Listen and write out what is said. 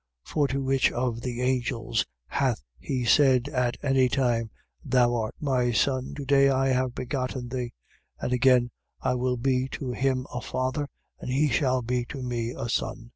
1:5. For to which of the angels hath he said at any time: Thou art my Son, to day have I begotten thee? And again: I will be to him a Father, and he shall be to me a Son?